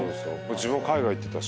自分海外行ってたし。